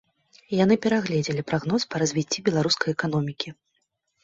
Яны перагледзелі прагноз па развіцці беларускай эканомікі.